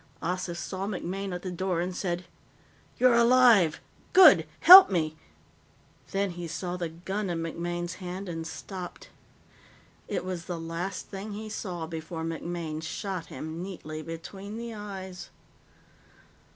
Ossif saw MacMaine at the door and said: "You're alive! Good! Help me " Then he saw the gun in MacMaine's hand and stopped. It was the last thing he saw before MacMaine shot him neatly between the eyes.